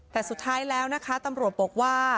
แต่สุดท้ายแล้วนะคะตำรวจบอกว่า